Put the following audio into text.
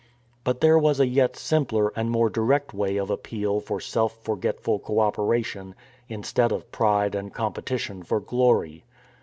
But there was a yet simpler and more direct way of appeal for self forgetful co operation instead of pride and competition for glory.